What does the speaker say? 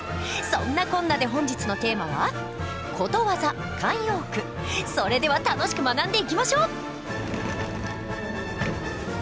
そんなこんなで本日のテーマはそれでは楽しく学んでいきましょう。